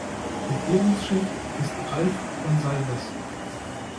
Regierungschef ist Ralph Gonsalves.